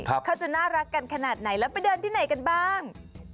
เขาจะน่ารักกันขนาดไหนแล้วไปเดินที่ไหนกันบ้าง